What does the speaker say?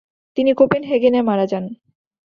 তিনি কোপেনহেগেনে মারা যান।